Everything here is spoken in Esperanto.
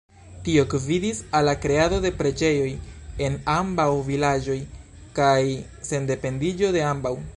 Tio gvidis al la kreado de preĝejoj en ambaŭ vilaĝoj kaj sendependiĝo de ambaŭ.